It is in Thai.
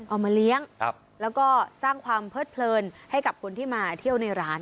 เอามาเลี้ยงแล้วก็สร้างความเพิดเพลินให้กับคนที่มาเที่ยวในร้าน